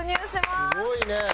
すごいね！